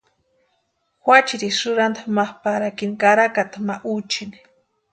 Juachiri sïranta ma parikini karakata ma úchini.